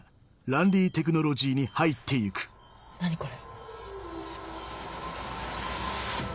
何これ。